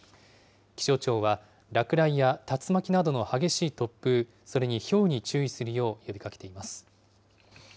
気象庁は落雷や竜巻などの激しい突風、それにひょうに注意するよう呼びかけています。